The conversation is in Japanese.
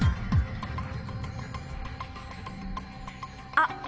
あっ！